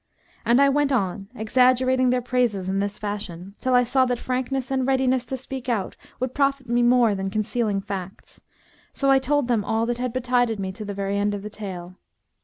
And I went on exaggerating their praises in this fashion, till I saw that frankness and readiness to speak out would profit me more than concealing facts; so I told them all that had betided me to the very end of the tale.